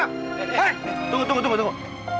hei tunggu tunggu tunggu